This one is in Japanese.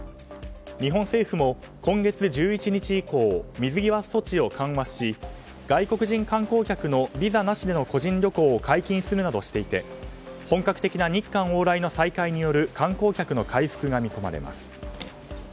日本政府も今月１１日以降水際措置を緩和し外国人観光客のビザなしでの個人旅行を解禁するなどしていて本格的な日韓往来の再開による観光客の回復が見込まれます。